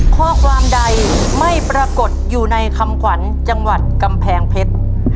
ข้อความใดไม่ปรากฏอยู่ในคำขวัญจังหวัดกำแพงเพชร